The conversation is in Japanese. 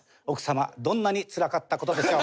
どんなにつらかった事でしょう。